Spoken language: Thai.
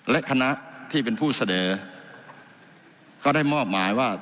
และคณะที่เป็นผู้เสนอก็ได้มอบหมายว่า